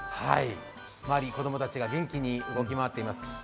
周りを子供たちが元気に動き回っています。